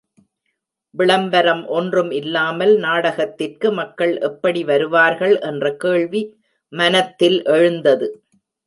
விளம்பரம் ஒன்றும் இல்லாமல் நாடகத்திற்கு மக்கள் எப்படி வருவார்கள் என்ற கேள்வி மனத்தில் எழுந்தது.